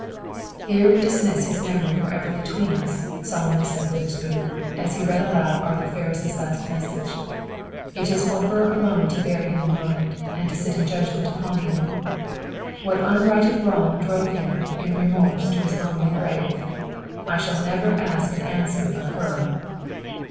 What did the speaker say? "Here we dismiss his memory forever between us!" solemnly said Witherspoon, as he read aloud Arthur Ferris' last message. "It is for her alone to bear him in mind, and to sit in judgment upon him! What unrighted wrong drove him, in remorse, to his lonely grave! I shall never ask an answer of her!"